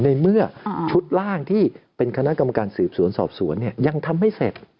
ในเมื่อชุดล่างที่เป็นคณะกรรมการสืบสวนสอบสวนยังทำไม่เสร็จ